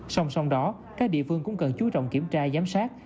song song đó các địa phương cũng cần chú trọng kiểm tra giám sát